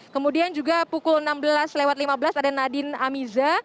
kemudian juga pukul enam belas lewat lima belas ada nadine amiza